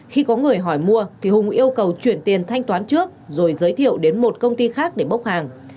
khi có người hỏi mua thì hùng yêu cầu chuyển tiền thanh toán trước rồi giới thiệu đến một công ty khác để bốc hàng